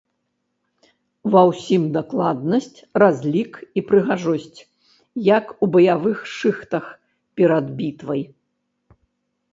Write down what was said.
Ва ўсім дакладнасць, разлік і прыгажосць - як у баявых шыхтах перад бітвай.